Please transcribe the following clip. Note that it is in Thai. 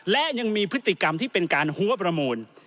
และยังมีพฤติกรรมที่เป็นการหัวประมูล